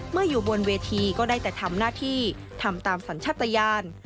อยู่บนเวทีก็ได้แต่ทำหน้าที่ทำตามสัญชาติยาน